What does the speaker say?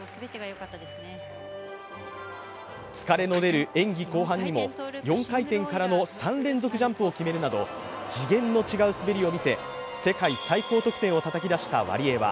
疲れの出る演技後半にも４回転からの３連続ジャンプを決めるなど次元の違う滑りを見せ世界最高得点をたたき出したワリエワ。